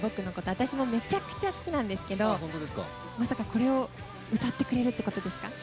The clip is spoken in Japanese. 私もめちゃくちゃ好きなんですけどまさかこれを歌ってくれるってことですか？